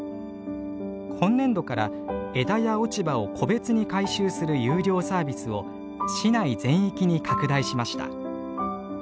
今年度から枝や落ち葉を戸別に回収する有料サービスを市内全域に拡大しました。